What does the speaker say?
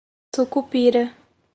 Sucupira